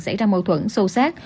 xảy ra mâu thuẫn sâu sát